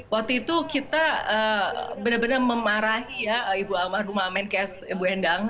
waktu itu kita benar benar memarahi ya ibu amar rumah amin kes ibu hendang